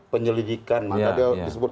penyelidikan maka dia disebut